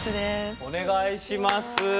お願いします。